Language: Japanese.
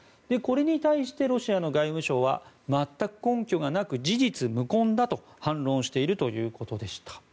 これに対して、ロシアの外務省は全く根拠がなく事実無根だと反論しているということでした。